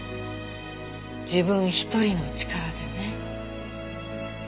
自分一人の力でね。